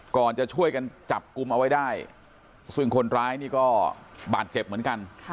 ก่อนจะช่วยกันจับกลุ่มเอาไว้ได้ซึ่งคนร้ายนี่ก็บาดเจ็บเหมือนกัน